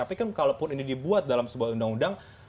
tapi kan kalaupun ini dibuat dalam sebuah undang undang